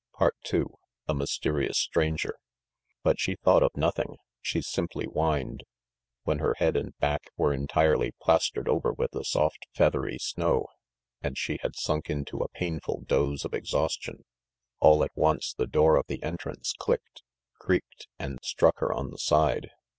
II A Mysterious Stranger But she thought of nothing, she simply whined. When her head and back were entirely plastered over with the soft feathery snow, and she had sunk into a painful doze of exhaustion, all at once the door of the entrance clicked, creaked, and struck her on the side.